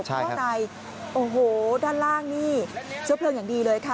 เพราะว่าในด้านล่างนี่เชื้อเพลิงอย่างดีเลยค่ะ